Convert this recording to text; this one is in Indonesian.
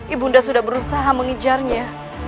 ibu dinda sudah berusaha mengijarnya